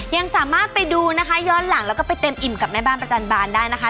ยังสามารถไปดูนะคะย้อนหลังแล้วก็ไปเต็มอิ่มกับแม่บ้านประจันบานได้นะคะ